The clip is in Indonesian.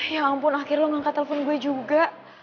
ya ampun akhirnya lo angkat telpon gue juga